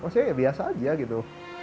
maksudnya ya biasa aja gitu